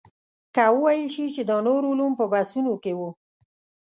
که وویل شي چې دا نور علوم په بحثونو کې وو.